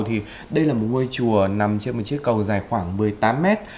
thì đây là một ngôi chùa nằm trên một chiếc cầu dài khoảng một mươi tám mét